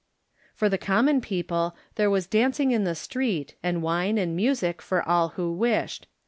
For the common people there was dancing in the street, and wine and music for all who wished.